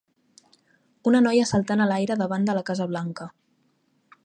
Una noia saltant a l'aire davant de la Casa Blanca.